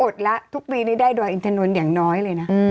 อดละทุกปีได้ดอยด์ยนตนอยด์อย่างน้อยเลยนะ